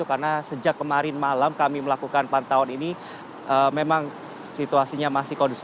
karena sejak kemarin malam kami melakukan pantauan ini memang situasinya masih kondisi